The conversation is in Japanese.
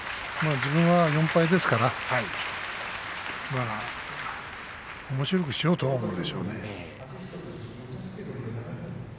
自分は４敗ですからおもしろくしようと思うでしょうね。